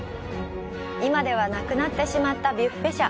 今ではなくなってしまったビュッフェ車。